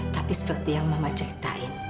tapi seperti yang mama ceritain